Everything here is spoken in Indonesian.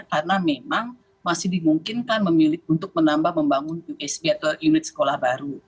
karena memang masih dimungkinkan untuk membangun unit sekolah baru